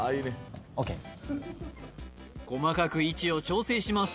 細かく位置を調整します